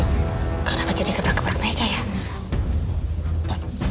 aduh kenapa jadi gebra gebrak meja ya